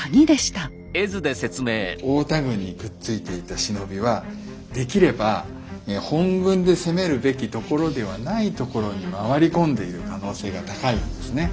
太田軍にくっついていた忍びはできれば本軍で攻めるべきところではないところに回り込んでいる可能性が高いわけですね。